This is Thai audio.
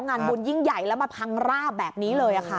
งานบุญยิ่งใหญ่แล้วมาพังราบแบบนี้เลยค่ะ